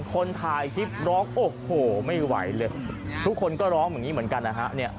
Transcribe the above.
คนถ่ายคลิปร้องโอ้โหไม่ไหวเลยทุกคนก็ร้องอย่างนี้เหมือนกันนะฮะ